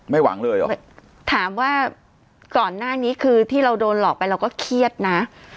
หวังเลยเหรอถามว่าก่อนหน้านี้คือที่เราโดนหลอกไปเราก็เครียดนะ